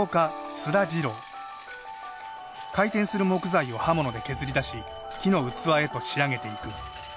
回転する木材を刃物で削り出し木の器へと仕上げていく。